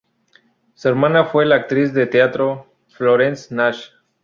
Su hermana fue la actriz de teatro Florence Nash.